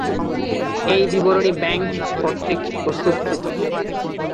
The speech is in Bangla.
এই বিবরণী ব্যাংক কর্তৃক প্রস্তুতকৃত।